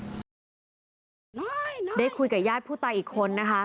ได้คุยกับญาติผู้ตายอีกคนนะคะ